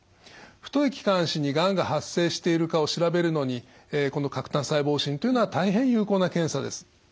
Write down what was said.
太い気管支にがんが発生しているかを調べるのにこの喀痰細胞診というのは大変有効な検査です。